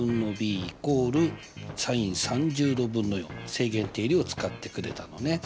正弦定理を使ってくれたのね。